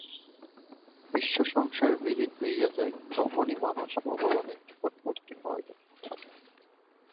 বিশ্বসংসার বিলীন হইয়া যায়, তখনই মানুষ ভগবানের নিকটবর্তী হইতে থাকে।